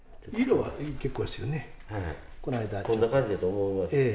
はいこんな感じやと思います。